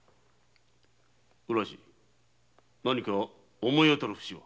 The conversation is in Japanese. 浦路何か思い当たる節は？